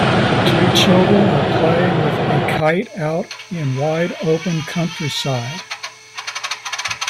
Two children are playing with a kite out in wide open countryside.